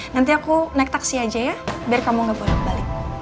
nanti aku naik taksi aja ya biar kamu nggak boleh kebalik